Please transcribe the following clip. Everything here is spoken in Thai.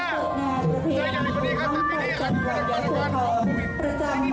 เจออย่างอีกคนดีครับตามที่นี่ครับ